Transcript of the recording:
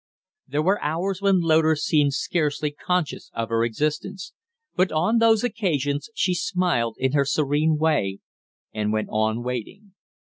There were hours when Loder seemed scarcely conscious of her existence; but on those occasions she smiled in her serene way and went on waiting.